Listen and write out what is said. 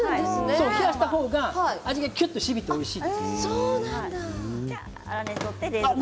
冷やした方が味がきゅっとしみておいしい。